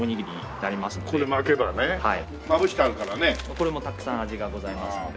これもたくさん味がございますので。